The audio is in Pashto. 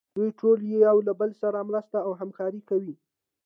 دوی ټول یو له بل سره مرسته او همکاري کوي.